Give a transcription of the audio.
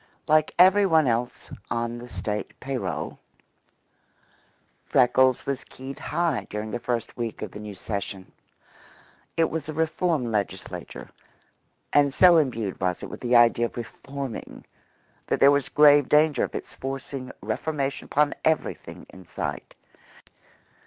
Like every one else on the State pay roll, Freckles was keyed high during this first week of the new session. It was a reform Legislature, and so imbued was it with the idea of reforming that there was grave danger of its forcing reformation upon everything in sight.